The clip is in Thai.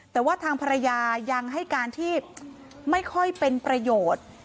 แต่ว่าทางภรรยายังให้การที่ไม่ค่อยเป็นประโยชน์